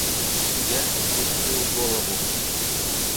Я отпустил голову.